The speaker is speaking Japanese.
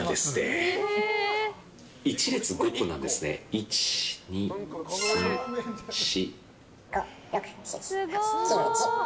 １、２、３、４。